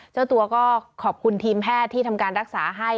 เจ้าตัวก็ขอบคุณทีมแพทย์ที่ทำการรักษาให้